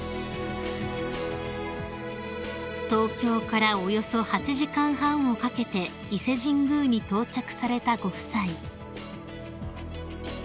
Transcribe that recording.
［東京からおよそ８時間半をかけて伊勢神宮に到着されたご夫妻］